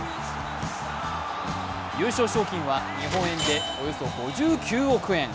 優勝賞金は日本円で、およそ５９億円。